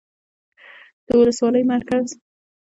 ، د ولسوالۍ مرکز